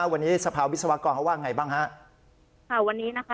วันนี้สภาวิศวกรเขาว่าไงบ้างฮะค่ะวันนี้นะคะ